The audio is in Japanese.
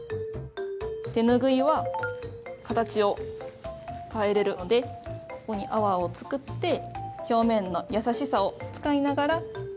手ぬぐいは形を変えられるのでここに泡を作って表面の優しさを使いながら。